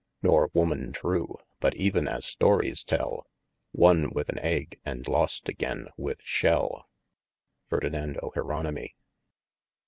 Nor woman true but even as stories tell, Wonne with an egge, and lost againe with shell. Ferdinando. Jeronimy.